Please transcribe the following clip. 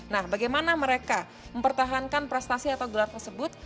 nah bagaimana mereka mempertahankan prestasi atau gelar tersebut